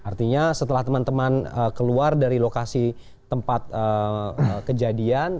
artinya setelah teman teman keluar dari lokasi tempat kejadian